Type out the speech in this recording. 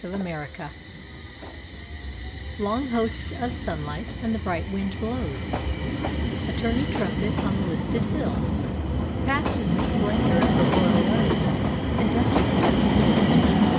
OCTOBER Long hosts of sunlight, and the bright wind blows A tourney trumpet on the listed hill: Past is the splendor of the royal rose And duchess daffodil.